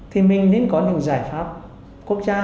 thì mình nên có những giải pháp quốc gia